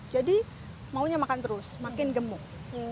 maunya makan terus makin gemuk